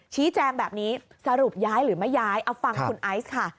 ชี้แจงแบบนี้สรุปย้ายหรือไม่ย้ายเอาฟังคุณไอซ์ค่ะ